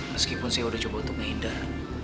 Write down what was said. meskipun saya udah coba untuk menghindar